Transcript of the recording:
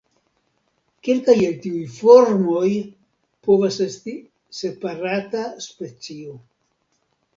Kelkaj el tiuj formoj povas esti separata specio.